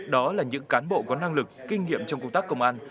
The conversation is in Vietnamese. đó là những cán bộ có năng lực kinh nghiệm trong công tác công an